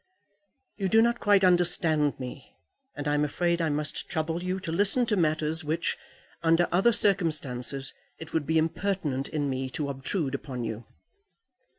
"You do not quite understand me, and I am afraid I must trouble you to listen to matters which, under other circumstances, it would be impertinent in me to obtrude upon you."